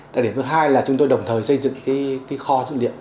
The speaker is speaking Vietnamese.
đặc điểm thứ hai là chúng tôi đồng thời xây dựng cái kho dữ liệu